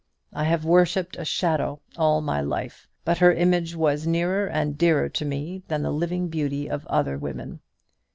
I have worshipped a shadow all my life; but her image was nearer and dearer to me than the living beauty of other women.